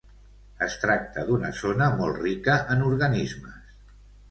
Es tracta d'una zona molt rica en organismes.